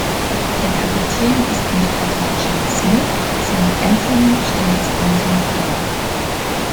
Der Kapitän ist nicht Edward John Smith, sondern Anthony Charles Lynton Blair.